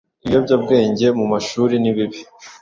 Ibiyobyabwenge mu mashuri nibibi